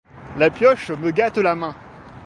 La pioche me gâte la main.